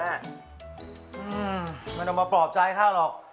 ไม่ต้องมาปลอบใจเขาหรอก